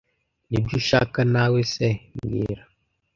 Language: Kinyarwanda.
Nibyo ushaka nawe se mbwira